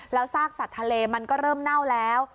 แล้วซากสัตว์ทะเลมันก็เริ่มเน่าแล้ว